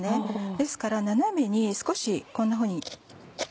ですから斜めにこんなふうに。